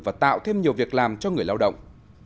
và tạo thêm nhiều việc làm cho người lao động